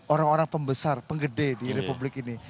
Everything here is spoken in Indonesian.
orang orang pembesar penggede di republik ini